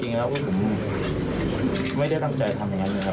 จริงแล้วผมไม่ได้ตั้งใจทำอย่างนั้นเลยครับ